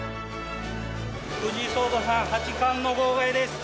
藤井聡太さん、八冠の号外です。